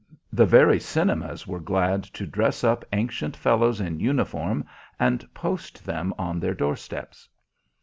The very cinemas were glad to dress up ancient fellows in uniform and post them on their doorsteps.